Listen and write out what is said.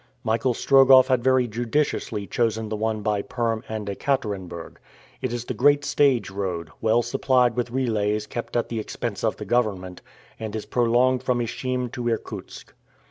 Michael Strogoff had very judiciously chosen the one by Perm and Ekaterenburg. It is the great stage road, well supplied with relays kept at the expense of the government, and is prolonged from Ishim to Irkutsk.